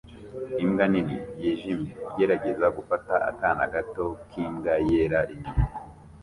imbwa nini yijimye igerageza gufata akana gato k'imbwa yera inyuma